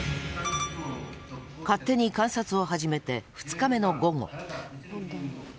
勝手に観察を始めて２日目の午後。